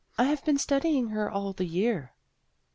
" I have been studying her all the year."